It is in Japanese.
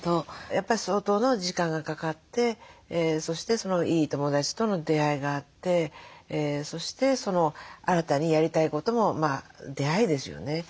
やっぱり相当の時間がかかってそしていい友達との出会いがあってそして新たにやりたいことも出会いですよね。